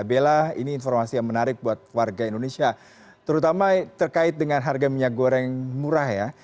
bella ini informasi yang menarik buat warga indonesia terutama terkait dengan harga minyak goreng murah ya